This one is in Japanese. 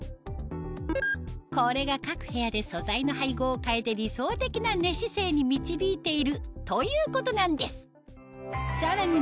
これが各部屋で素材の配合を変えて理想的な寝姿勢に導いているということなんですさらに